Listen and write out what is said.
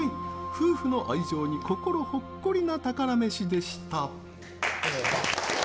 夫婦の愛情に心ほっこりな宝メシでした。